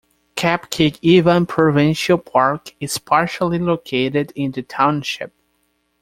Kap-Kig-Iwan Provincial Park is partially located in the township.